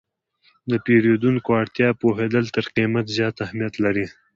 د پیرودونکي اړتیا پوهېدل تر قیمت زیات اهمیت لري.